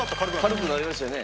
軽くなりましたよね。